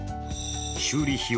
修理費用